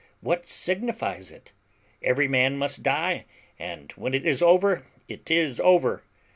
what signifies it? Every man must die, and when it is over it is over.